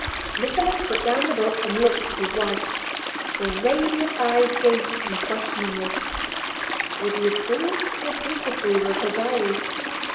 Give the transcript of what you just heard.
Nicholas put down the book and looked at his wife. The radiant eyes gazed at him questioningly: would he approve or disapprove of her diary?